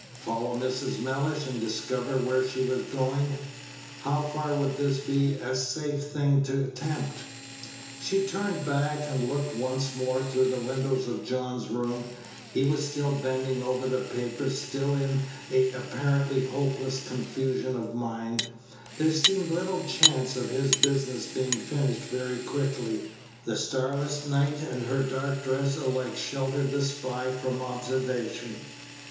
Follow Mrs. Mellish, and discover where she was going? How far would this be a safe thing to attempt? She turned back and looked once more through the windows of John's room. He was still bending over the papers, still in an apparently hopeless confusion of mind. There seemed little chance of his business being finished very quickly. The starless night and her dark dress alike sheltered the spy from observation.